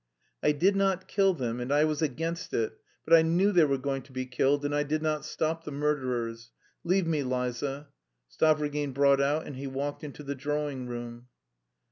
"I did not kill them, and I was against it, but I knew they were going to be killed and I did not stop the murderers. Leave me, Liza," Stavrogin brought out, and he walked into the drawing room.